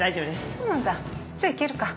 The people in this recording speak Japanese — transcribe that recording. そうなんだじゃいけるか。